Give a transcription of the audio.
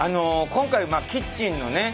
今回キッチンのね